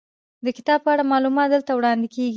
د کتاب په اړه معلومات دلته وړاندې کیږي.